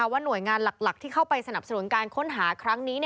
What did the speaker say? ว่าหน่วยงานหลักที่เข้าไปสนับสนุนการค้นหาครั้งนี้